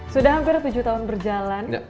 sudah hampir tujuh tahun berjalan